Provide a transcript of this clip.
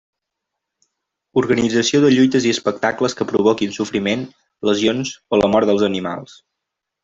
Organització de lluites i espectacles que provoquin sofriment, lesions o la mort dels animals.